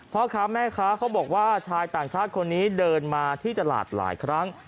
พ่อค้าแม่ค้าเขาบอกว่าชายต่างชาติคนนี้เดินมาที่ตลาดหลายครั้ง